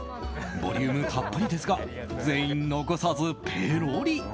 ボリュームたっぷりですが全員残さずペロリ。